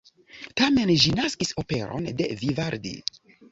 Tamen ĝi naskis operon de Vivaldi.